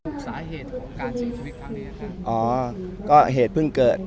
ซึ่งอักษราเหตุของการเสียชีวิตภังดีหรือยักษ์นี่ครับ